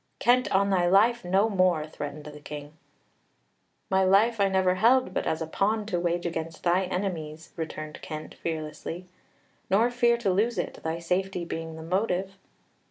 "Kent, on thy life, no more!" threatened the King. "My life I never held but as a pawn to wage against thy enemies," returned Kent fearlessly; "nor fear to lose it, thy safety being the motive."